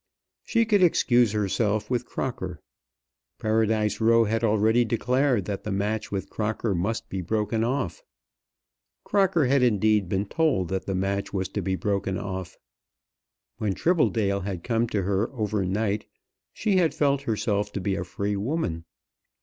She could excuse herself with Crocker. Paradise Row had already declared that the match with Crocker must be broken off. Crocker had indeed been told that the match was to be broken off. When Tribbledale had come to her overnight she had felt herself to be a free woman.